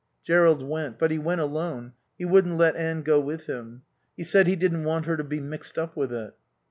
Jerrold went. But he went alone, he wouldn't let Anne go with him. He said he didn't want her to be mixed up with it.